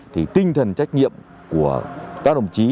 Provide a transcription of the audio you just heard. thì tinh thần trách nhiệm của các đồng chí